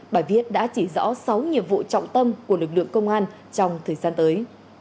bài viết đã chỉ rõ sáu nhiệm vụ trọng tâm của lực lượng công an trong thời gian tới